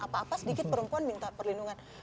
apa apa sedikit perempuan minta perlindungan